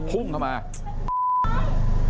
ทงทางนี้